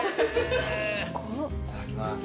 いただきます。